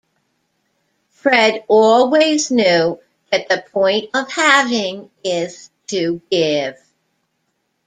Fred always knew that the point of having is to give.